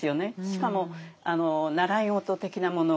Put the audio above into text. しかも習い事的なもの